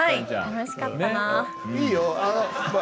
いいよ。